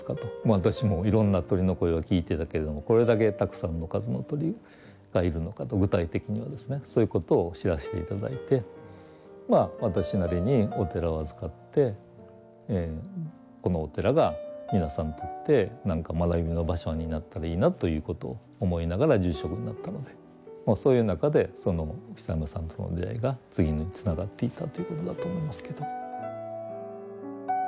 私もいろんな鳥の声は聞いていたけれどもこれだけたくさんの数の鳥がいるのかと具体的にはですねそういうことを知らせて頂いて私なりにお寺を預かってこのお寺が皆さんにとって何か学びの場所になったらいいなということを思いながら住職になったのでそういう中で久山さんとの出会いが次につながっていったということだと思いますけど。